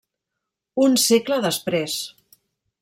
Un segle després.